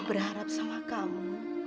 ibu berharap sama kamu